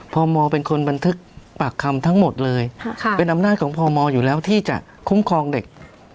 พมเป็นคนบันทึกปากคำทั้งหมดเลยเป็นอำนาจของพมอยู่แล้วที่จะคุ้มครองเด็ก